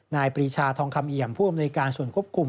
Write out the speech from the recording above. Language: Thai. ปรีชาทองคำเอี่ยมผู้อำนวยการส่วนควบคุม